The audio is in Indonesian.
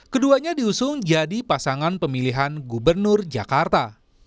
keduanya diusung jadi pasangan pemilihan gubernur jakarta